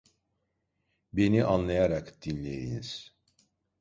Beni anlayarak dinleyiniz…